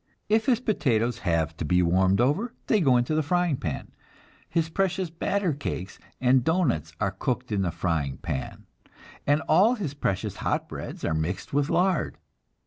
If his potatoes have to be warmed over, they go into the frying pan; his precious batter cakes and doughnuts are cooked in a frying pan, and all his precious hot breads are mixed with lard.